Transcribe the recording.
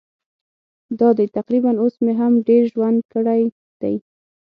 دا دی تقریباً اوس مې هم ډېر ژوند کړی دی.